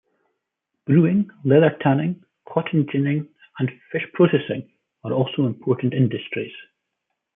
Brewing, leather tanning, cotton ginning, and fish processing are also important industries.